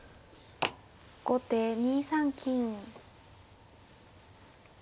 後手２三金。